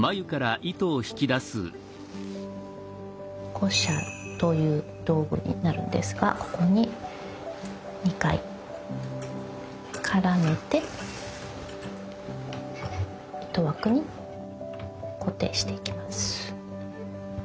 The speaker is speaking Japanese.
鼓車という道具になるんですがここに２回絡めて糸枠に固定していきます。